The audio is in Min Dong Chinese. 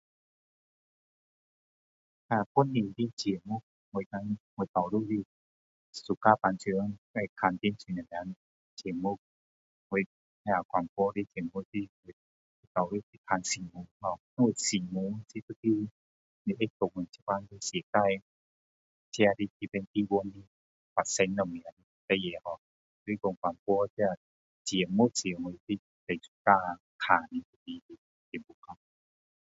本地的节目我通常喜欢平常也是看电视什么节目我那个广播的节目的多数是看新闻因为新闻是一个妳会说现在的世界自己的这个地方发生什么事情所以说广播这个节目时最 suka 看的一个节目 hor